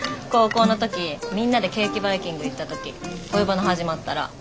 高校の時みんなでケーキバイキング行った時恋バナ始まったら。